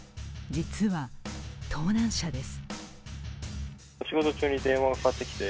実は、盗難車です。